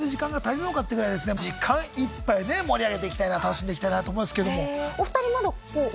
ってぐらい時間いっぱい盛り上げていきたいな楽しんでいきたいなと思いますけども。